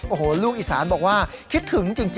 โอ้โหลูกอีสาเนี่ยบอกว่าคิดถึงจริงนะฮะ